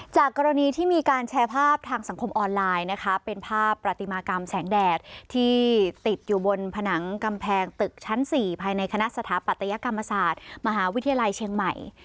จากกรณีที่มีการแชร์ภาพทางสังคมออนไลน์นะคะเป็นภาพประติมากรรมแสงแดดที่ติดอยู่บนผนังกำแพงตึกชั้น๔ภายในคณะสถาปัตยกรรมศาสตร์มหาวิทยาลัยเชียงใหม่